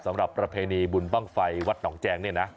สำหรับประเภนนีบุญบ้างไฟวัตน์หนองแจงนี่นะ